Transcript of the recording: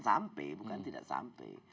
sampai bukan tidak sampai